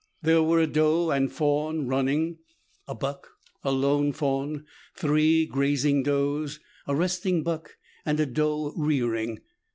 There were a doe and fawn, a running buck, a lone fawn, three grazing does, a resting buck and a doe rearing.